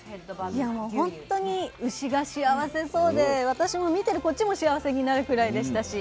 いやもうほんとに牛が幸せそうで私も見てるこっちも幸せになるくらいでしたし。